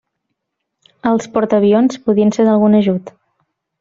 Els portaavions podien ser d'algun ajut.